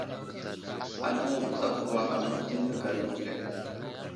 Ana məŋgutsaraho akama di nəgar məkuleɗ.